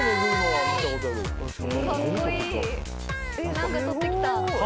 何か取ってきた。